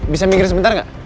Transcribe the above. bisa minggir sebentar gak